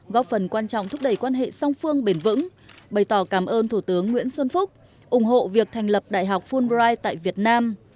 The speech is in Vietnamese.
góp phần quan trọng thúc đẩy quan hệ song phương bền vững bày tỏ cảm ơn thủ tướng nguyễn xuân phúc ủng hộ việc thành lập đại học fulbright tại việt nam